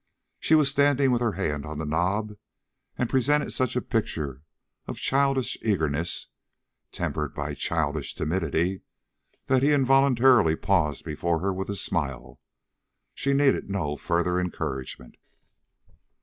She was standing with her hand on the knob, and presented such a picture of childish eagerness, tempered by childish timidity, that he involuntarily paused before her with a smile. She needed no further encouragement.